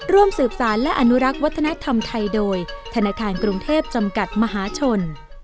ร่วมสืบสารและอนุรักษ์วัฒนธรรมไทยโดยธนาคารกรุงเทพจำกัดมหาชน